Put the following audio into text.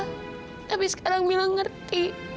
tapi sekarang mila ngerti